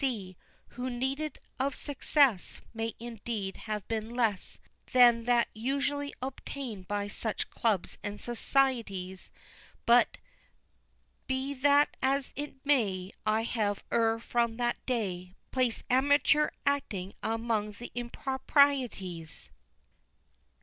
D.C., Whose need of success May indeed have been less Than that usually obtained by such clubs and societies; But be that as it may, I have e'er from that day Placed amateur acting among th' improprieties.